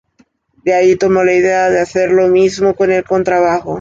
De ahí tomó la idea de hacer lo mismo con el contrabajo.